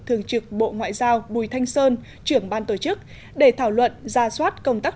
thường trực bộ ngoại giao bùi thanh sơn trưởng ban tổ chức để thảo luận ra soát công tác